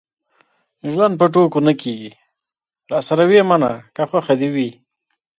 ژوند په ټوکو نه کېږي. راسره ويې منه که خوښه دې وي.